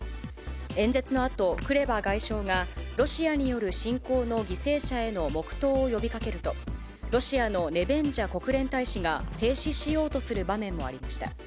演説のあと、クレバ外相がロシアによる侵攻の犠牲者への黙とうを呼びかけると、ロシアのネベンジャ国連大使が制止しようとする場面もありました。